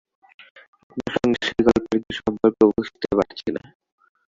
আপনার সঙ্গে সেই গল্পের কী সম্পর্ক বুঝতে পারছি না।